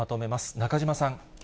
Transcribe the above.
中島さん。